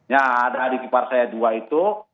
ya ada adik ipar saya dua itu